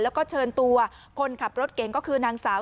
แล้วก็เชิญตัวคนขับรถเก่งก็คือนางสาว